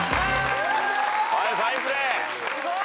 はいファインプレー。